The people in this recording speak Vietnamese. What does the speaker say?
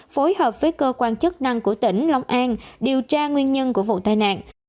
phối hợp với cơ quan chức năng của tỉnh long an điều tra nguyên nhân của vụ tai nạn